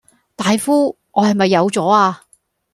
大夫，我係咪有左呀